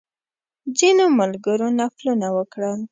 ځینو ملګرو نفلونه وکړل.